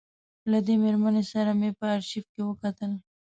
له دې مېرمنې سره مې په آرشیف کې وکتل.